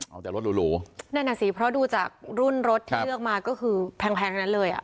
เอาแต่รถหรูนั่นอ่ะสิเพราะดูจากรุ่นรถที่เลือกมาก็คือแพงทั้งนั้นเลยอ่ะ